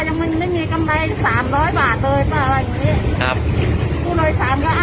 ยังไม่มีกำไรสามร้อยบาทเลยป้าว่าอย่างงี้ครับกูเลยสามร้อย